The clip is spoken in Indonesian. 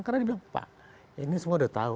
karena dibilang pak ini semua udah tahu